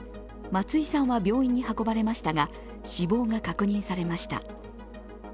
松井さんは病院に運ばれましたが死亡が確認されました。